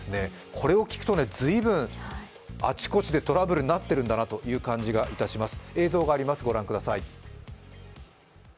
これを聞くと随分あちこちでトラブルになっているんだなという感じがいたします。